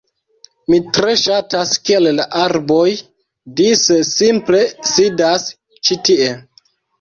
Mi tre ŝatas kiel la arboj dise simple sidas ĉi tie